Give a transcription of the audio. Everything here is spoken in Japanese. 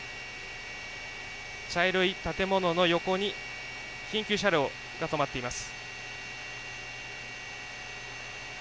茶色い建物の横に緊急車両が止まっています。